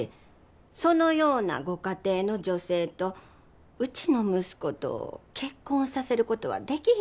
そのようなご家庭の女性とうちの息子と結婚させることはできひんのです。